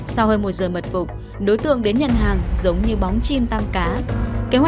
sau hơn một giờ mật phục đối tượng đến nhận hàng giống như bóng chim tam cá